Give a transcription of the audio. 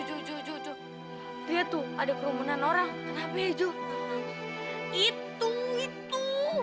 jujur jujur dia tuh ada kerumunan orang kenapa hijau itu itu